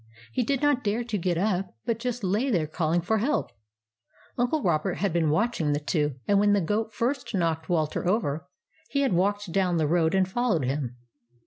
He did not dare to get up, but just lay there calling for help. Uncle Robert had been watching the two, and when the goat first knocked Walter over, he had walked down the road and followed him.